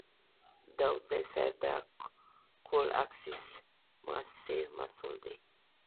داودزی صیب د اکول اکسیس موسسې مسوول دی.